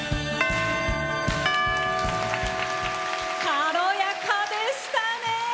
軽やかでしたね。